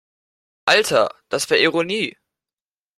Alter, das war Ironie!